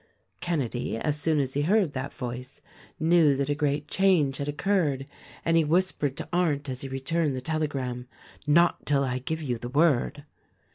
Kenedy, as soon as he heard that voice, knew that a great change had occurred, and he whispered to Arndt as he re turned the telegram, "Not till I give you the word!"